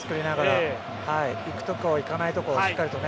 行くとこ行かないところをしっかりとね。